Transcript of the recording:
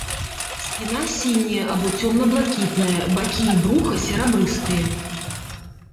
Спіна сіняя або цёмна-блакітная, бакі і бруха серабрыстыя.